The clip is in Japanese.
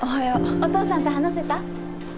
お父さんと話せた？